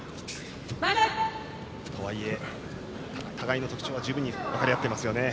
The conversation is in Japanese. とはいえ、互いの特徴は十分に分かり合っていますよね。